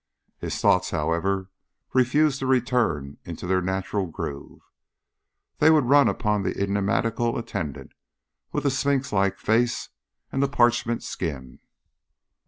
His thoughts, however refused to return into their natural groove. They would run upon the enigmatical attendant with the sphinx like face and the parchment skin.